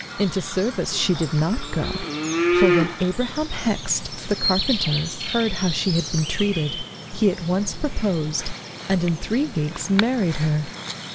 Into service she did not go, for when Abraham Hext, the carpenter, heard how she had been treated, he at once proposed, and in three weeks married her.